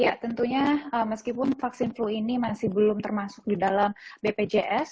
ya tentunya meskipun vaksin flu ini masih belum termasuk di dalam bpjs